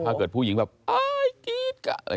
ถ้าเกิดผู้หญิงแบบอายกรี๊ดก็